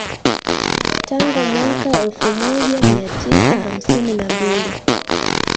Tangu mwaka elfu moja mia tisa hamsini na mbili